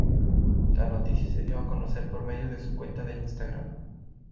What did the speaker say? La noticia se dio a conocer por medio de su cuenta de Instagram.